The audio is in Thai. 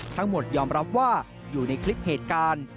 ทั้งหมดยอมรับว่าอยู่ในคลิปเหตุการณ์